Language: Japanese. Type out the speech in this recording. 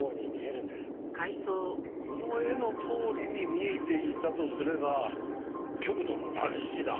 この絵のとおりに見えていたとすれば極度の乱視だ。